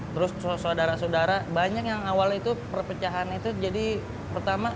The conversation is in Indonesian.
terus saudara saudara banyak yang awal itu perpecahan itu jadi pertama